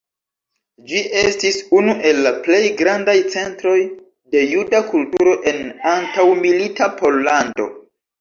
Ĝi estis unu el la plej grandaj centroj de juda kulturo en antaŭmilita Pollando.